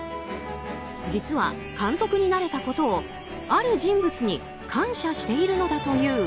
実は、監督になれたことをある人物に感謝しているのだという。